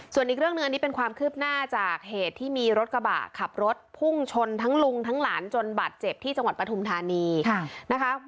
ส่วนอีกเรื่องหนึ่งอันนี้เป็นความคืบหน้าจากเหตุที่มีรถกระบะขับรถพุ่งชนทั้งลุงทั้งหลานจนบาดเจ็บที่จังหวัดปฐุมธานีนะคะ